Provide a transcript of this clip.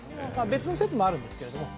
別の説もあるんですけれども